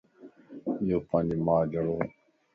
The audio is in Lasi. يو پانجي مان جھڙووَ